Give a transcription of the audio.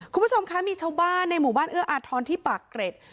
คุณผู้ชมคะมีชาวบ้านในหมู่บ้านเอื้ออาทรที่ปากเกร็ด